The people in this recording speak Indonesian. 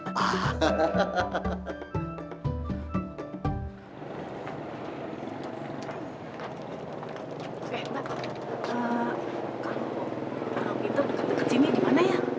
kalau orang pintar deket deket sini dimana ya